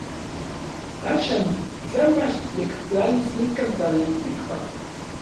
Axan tla machyektlalis nikan tlaltikpak.